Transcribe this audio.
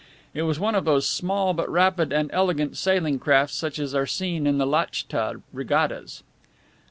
It was one of those small but rapid and elegant sailing craft such as are seen in the Lachtka regattas.